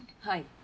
はい。